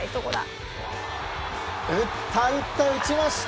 打った打った、打ちました！